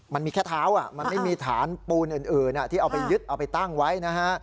มันมีแค่เท้ามันไม่มีฐานปูนอื่นที่เอาไปยึดเอาไปตั้งไว้นะฮะ